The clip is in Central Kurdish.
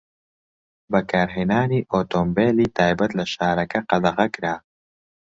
بەکارهێنانی ئۆتۆمبێلی تایبەت لە شارەکە قەدەغە کرا.